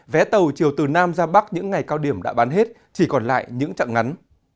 vé tàu chiều từ nam ra bắc những ngày cao điểm đã bán hết chỉ còn lại những trạng ngắn